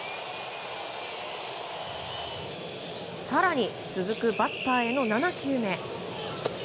更に、続くバッターへの７球目。